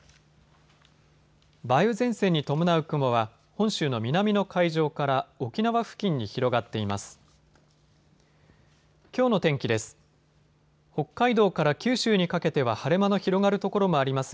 梅雨前線に伴う雲は本州の南の海上から沖縄付近に広がっています。